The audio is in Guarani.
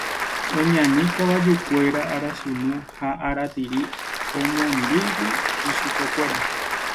Oñani kavajukuéra arasunu ha aratiri omondýigui ichupekuéra.